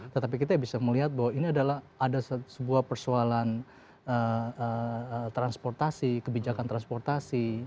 tetapi kita bisa melihat bahwa ini adalah ada sebuah persoalan transportasi kebijakan transportasi